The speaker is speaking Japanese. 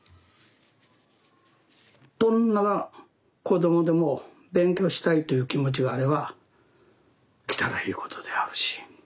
どんな子どもでも勉強したいという気持ちがあれば来たらいいことであるし。